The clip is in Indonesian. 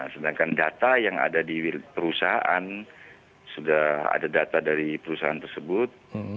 sedangkan data yang ada di perusahaan sudah ada data dari perusahaan tersebut